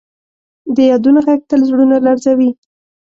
د یادونو ږغ تل زړونه لړزوي.